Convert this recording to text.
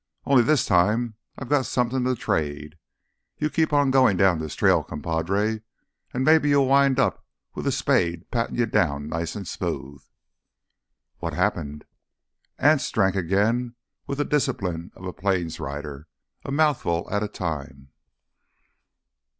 Only this time I've got me somethin' to trade. You keep on goin' down this trail, compadre, an' maybe you'll wind up with a spade pattin' you down nice an' smooth." "What happened?" Anse drank again with the discipline of a plains rider, a mouthful at a time.